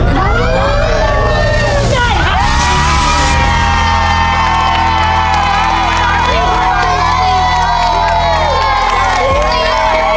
น้องเต๋าทำได้หรือไม่ได้ครับ